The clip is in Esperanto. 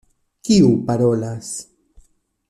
Kiu parolas?